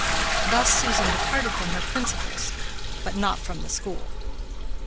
Thus Susan departed from her principles, but not from the school.